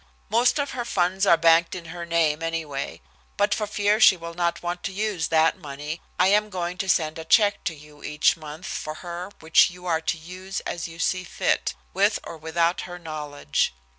"Most of her funds are banked in her name, anyway. But for fear she will not want to use that money I am going to send a check to you each month for her which you are to use as you see fit, with or without her knowledge.